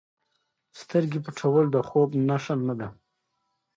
سترګې پټول د خوب نښه نه ده.